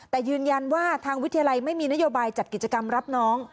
แต่ยืนยันว่าทางวิทยาลัยไม่มีนโยบายจัดกิจกรรมรับน้อง